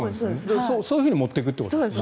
そういうふうに持っていくってことですよね。